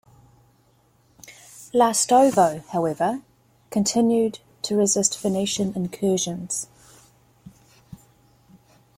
Lastovo however, continued to resist Venetian incursions.